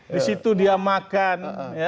di situ dia makan